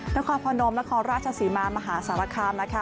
นักความพอโน้มนักความราชสิมามหาสารคามนะคะ